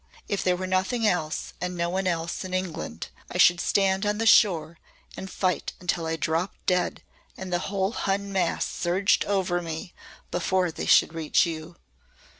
If there were nothing else and no one else in England, I should stand on the shore and fight until I dropped dead and the whole Hun mass surged over me before they should reach you."